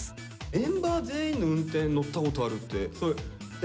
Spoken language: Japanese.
メンバー全員の運転乗ったことあるってそれえ？